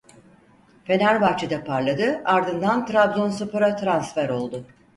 Fenerbahçe'de parladı ardından Trabzonspor'a transfer oldu.